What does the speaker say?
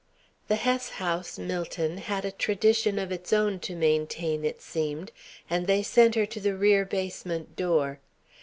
The Hess House, Millton, had a tradition of its own to maintain, it seemed, and they sent her to the rear basement door.